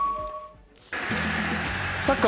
サッカー